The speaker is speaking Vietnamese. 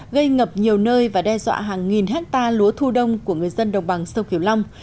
gây ngập nhiều nơi và đe dọa hàng nghìn hectare lúa thu đông của người dân đồng bằng sông kiều long